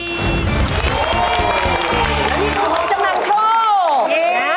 และนี่คือของจำนำโชค